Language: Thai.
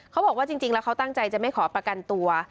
เขาบอกว่าจริงแล้วเขาตั้งใจจะไม่ขอประกันตัว